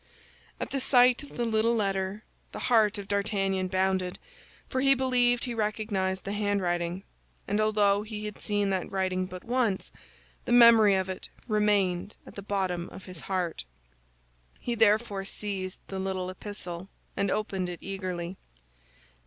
At the sight of the little letter the heart of D'Artagnan bounded, for he believed he recognized the handwriting, and although he had seen that writing but once, the memory of it remained at the bottom of his heart. He therefore seized the little epistle, and opened it eagerly.